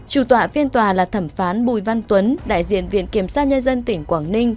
chủ tọa phiên tòa là thẩm phán bùi văn tuấn đại diện viện kiểm sát nhân dân tỉnh quảng ninh